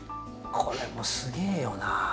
これもすげえよなぁ。